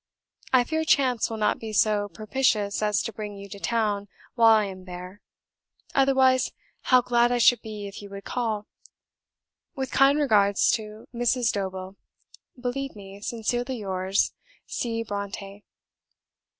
I fear chance will not be so propitious as to bring you to town while I am there; otherwise, how glad I should be if you would call. With kind regards to Mrs. Dobell, Believe me, sincerely yours, C. BRONTË."